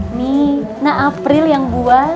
ini nak april yang buat